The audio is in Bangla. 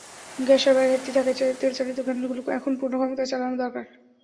গ্যাস সরবরাহে ঘাটতি থাকায় তেলচালিত কেন্দ্রগুলো এখন পূর্ণ ক্ষমতায় চালানো দরকার।